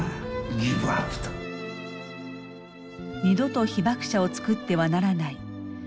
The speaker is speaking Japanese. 二度と被爆者を作ってはならない。